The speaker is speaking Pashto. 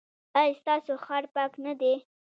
ایا ستاسو ښار پاک نه دی؟